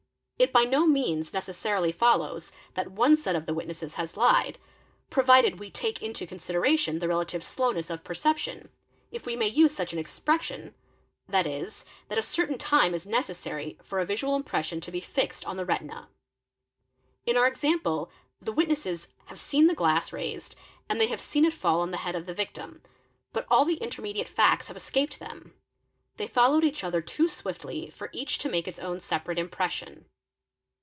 It by no means necessarily follows that one set of the witnesses has lied®?, provided we take into consideration the relative slowness of perception, 1f we may use such an expression, 7.¢., that a certain time is necessary for a visual impression to be fixed on the ~ retina. In our example the witnesses have seen the glass raised and they have seen it fall on the head of the victim but all the intermediate facts have escaped them ; they followed each other too swiftly for each to make its own separate impression.